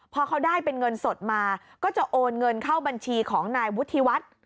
พอเขาได้เป็นเงินสดมาก็จะโอนเงินเข้าบัญชีของนายวุฒิวัฒน์